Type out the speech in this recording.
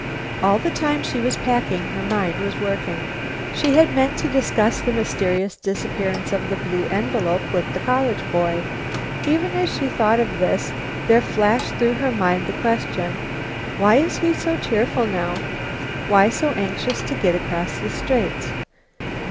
All the time she was packing her mind was working. She had meant to discuss the mysterious disappearance of the blue envelope with the college boy. Even as she thought of this, there flashed through her mind the question, "Why is he so cheerful now? Why so anxious to get across the Straits?"